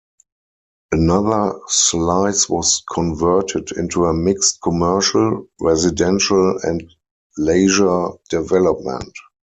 Another slice was converted into a mixed commercial, residential and leisure development.